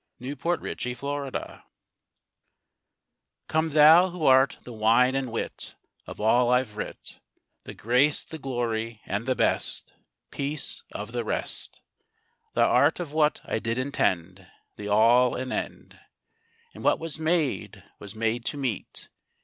70. HIS WINDING SHEET Come thou, who art the wine and wit Of all I've writ; The grace, the glory, and the best Piece of the rest; Thou art of what I did intend The All, and End; And what was made, was made to meet.